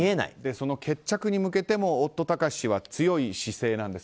その決着に向けても夫・貴志氏は強い姿勢なんです。